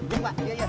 yuk pak iya iya